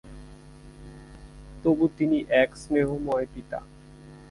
তবু তিনি এক স্নেহময় পিতা।